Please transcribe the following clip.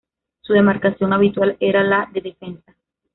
Su demarcación habitual era la de defensa.